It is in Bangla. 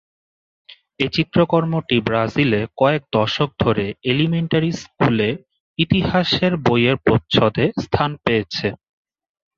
এ চিত্রকর্মটি ব্রাজিলে কয়েক দশক ধরে এলিমেন্টারি স্কুলে ইতিহাসের বইয়ের প্রচ্ছদে স্থান পেয়েছে।